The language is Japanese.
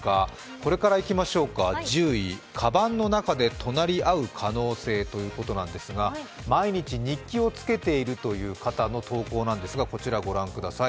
これからいきましょうか、１０位、鞄の中で隣合う可能性ということなんですが、毎日、日記をつけているという方の投稿です。